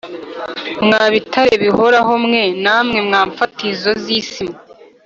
Mwa bitare bihoraho mwe namwe mwa mfatiro z’isi mwe